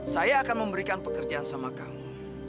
saya akan memberikan pekerjaan sama kamu